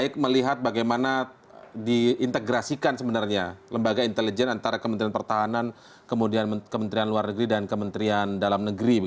kemudian kemudian kementerian luar negeri dan kementerian dalam negeri